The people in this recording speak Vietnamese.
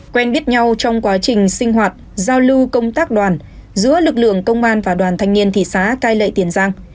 quen biết nhau trong quá trình sinh hoạt giao lưu công tác đoàn giữa lực lượng công an và đoàn thanh niên thị xã cai lệ tiền giang